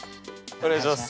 お願いします